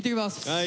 はい。